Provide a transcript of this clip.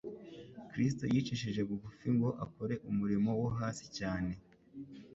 Kristo yicishije bugufi ngo akore umurimo wo hasi cyane.